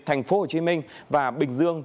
thành phố hồ chí minh và bình dương